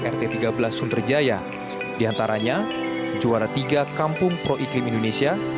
rt tiga belas suntrejaya diantaranya juara tiga kampung proiklim indonesia